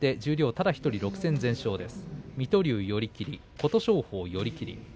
ただ１人、６戦全勝です。